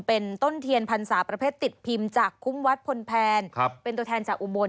เป็นต้นเทียนพรรษาประเภทติดพิมพ์จากคุ้มวัดพลแพนเป็นตัวแทนจากอุบล